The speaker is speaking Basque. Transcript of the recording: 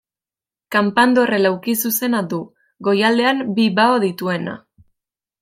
Kanpandorre laukizuzena du, goialdean bi bao dituena.